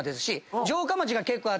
城下町が結構あって。